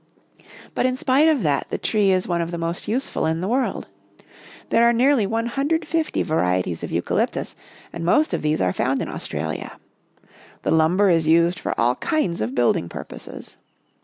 But in spite of that, the tree is one of the most useful in the world. There are nearly 150 A Drive 23 varieties of eucalyptus, and most of these are found in Australia. The lumber is used for all kinds of building purposes.